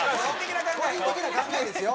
個人的な考えですよ。